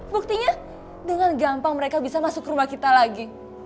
buktinya dengan gampang mereka bisa masuk ke rumah kita lagi